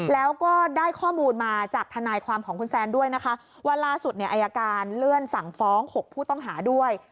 แล้วก็ได้ข้อมูลมาจากทนายความของคุณแซนด้วยนะคะว่าล่าสุดเนี่ยอายการเลื่อนสั่งฟ้อง๖ผู้ต้องหาด้วย